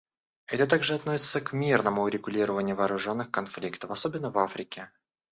Это также относится к мирному урегулированию вооруженных конфликтов, особенно в Африке.